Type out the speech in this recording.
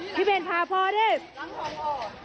ออกเร็วออกเร็ว